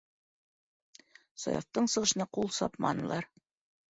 Саяфтың сығышына ҡул сапманылар.